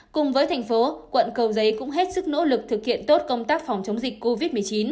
cùng với thành phố quận cầu giấy cũng hết sức nỗ lực thực hiện tốt công tác phòng chống dịch covid một mươi chín